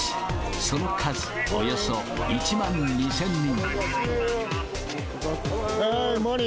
その数およそ１万２０００人。